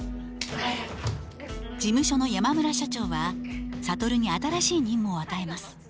事務所の山村社長は諭に新しい任務を与えます。